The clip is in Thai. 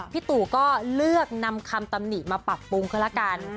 พี่ตู่ก็เลือกนำคำตำหนิมาปรับปรุงก็แล้วกัน